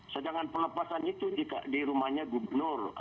sedangkan pelepasan itu di rumahnya gubernur